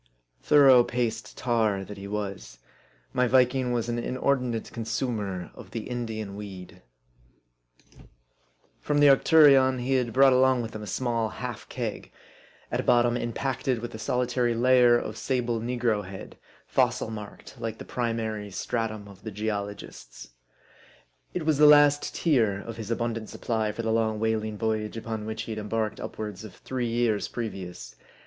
Thorough paced tar that he was, my Viking was an inordinate consumer of 68 M A R D I. the Indian weed. From the Arcturion, he had brought along with him a small half keg, at bottom impacted with a solitary layer of sable Negrohead, fossil marked, like the primary stratum of the geologists. It was the last tier of his abundant supply for the long whaling voyage upon which he had embarked upwards of three years previous.